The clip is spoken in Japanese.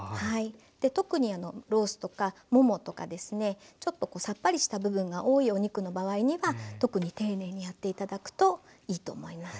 特にロースとかももとかですねちょっとさっぱりした部分が多いお肉の場合には特に丁寧にやって頂くといいと思います。